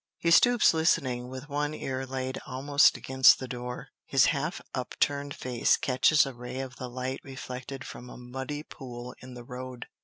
He stoops listening, with one ear laid almost against the door. His half upturned face catches a ray of the light reflected from a muddy pool in the road.